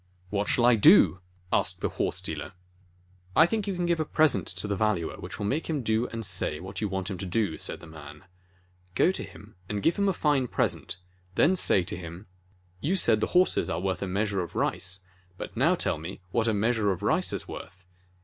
"What shall I do ?" asked the horse dealer. "I think you can give a present to the Valuer which will make him do and say what you want him to do and say," said the man. "Go to him and give him a fine present, then say to him : 'You said the horses are worth a measure of rice, but now tell what a meas ure of rice is worth!